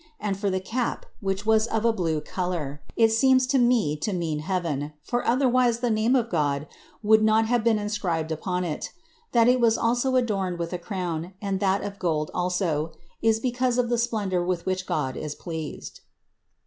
And for the cap, which was of a blue color, it seems to me to mean heaven, for otherwise the name of God would not have been inscribed upon it. That it was also adorned with a crown, and that of gold also, is because of the splendor with which God is pleased.